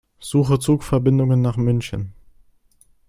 Suche Zugverbindungen nach München.